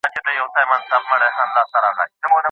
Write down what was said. روڼتیا په مالي چارو کي د خلګو باور زیاتوي.